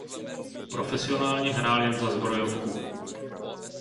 Profesionálně hrál jen za Zbrojovku.